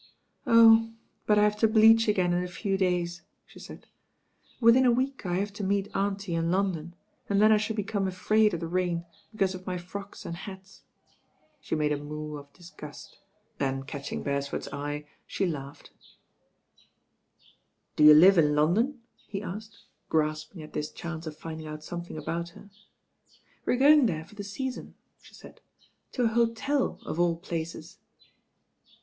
"Oh ; but I have to bleach again in a few days," she said. "Within a week I have to meet auntie in London, and then I shall become afraid of the rain because of my frocks and hats." She made a moue of disgust; then, catching Beresford's eye, sue laughed. «THE TWO DRAGONS*' 87 t "Do you live in London?" he asked, grasping at this chance of finding out something about her. "We're going there for the Season," she said, "to a hotel of all places."